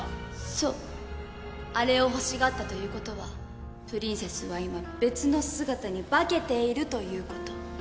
そうあれをほしがったということはプリンセスは今別の姿に化けているということ。